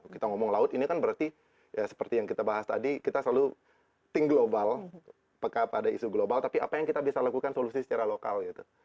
kita ngomong laut ini kan berarti ya seperti yang kita bahas tadi kita selalu think global peka pada isu global tapi apa yang kita bisa lakukan solusi secara lokal gitu